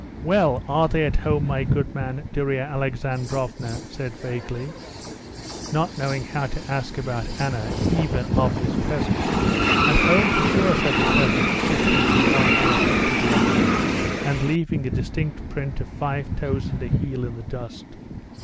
"Well, are they at home, my good man?" Darya Alexandrovna said vaguely, not knowing how to ask about Anna, even of this peasant. "At home for sure," said the peasant, shifting from one bare foot to the other, and leaving a distinct print of five toes and a heel in the dust.